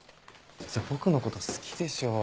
じゃあ僕のこと好きでしょう？